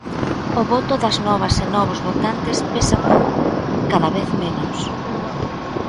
O voto das novas e novos votantes pesa pouco, cada vez menos.